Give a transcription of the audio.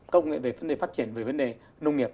công nghệ về vấn đề phát triển về vấn đề nông nghiệp